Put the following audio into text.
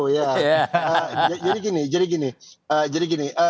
jadi gini jadi gini